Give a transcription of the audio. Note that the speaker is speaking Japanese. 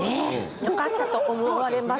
よかったと思われます。